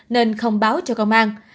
nên không báo cho công an